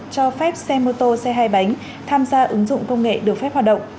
cho phép xe mô tô xe hai bánh tham gia ứng dụng công nghệ được phép hoạt động